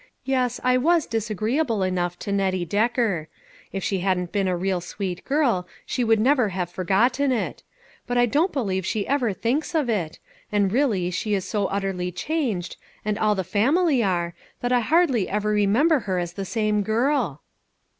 Yes, I was disagreeable enough to Nettie Decker; if she hadn't been a real sweet girl she would never have forgotten it; but I don't believe she ever thinks of it, and really she is eo utterly changed, and all the family are, that I hardly ever remember her as the same girl."